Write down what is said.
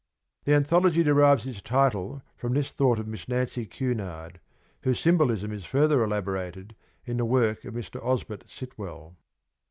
The anthology derives its title from this thought of Miss Nancy Cunard, whose symbolism is further elaborated in the work of Mr. Osbert Sitwell.